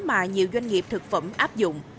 mà nhiều doanh nghiệp thực phẩm áp dụng